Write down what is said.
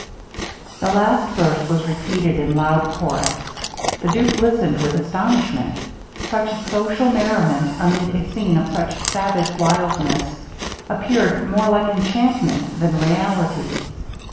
The last verse was repeated in loud chorus. The duke listened with astonishment! Such social merriment amid a scene of such savage wildness, appeared more like enchantment than reality.